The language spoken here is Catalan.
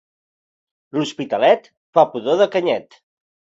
L'Hospitalet fa pudor de canyet.